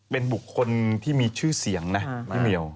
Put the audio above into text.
เป็นบุคคลที่มีชื่อเสียงนะพี่เมียว